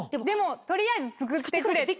でも取りあえず作ってくれ。